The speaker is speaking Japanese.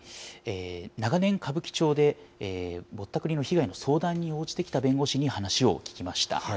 長年、歌舞伎町でぼったくりの被害の相談に応じてきた弁護士に話を聞きました。